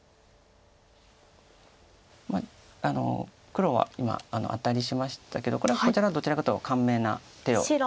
黒は今アタリしましたけどこれはどちらかと簡明な手を。